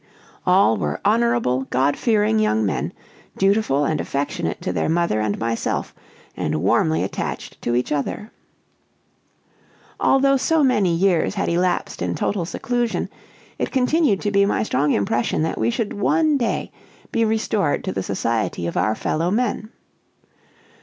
All were honorable, God fearing young men, dutiful and affectionate to their mother and myself, and warmly attached to each other. Although so many years had elapsed in total seclusion, it continued to be my strong impression that we should one day be restored to the society of our fellow men.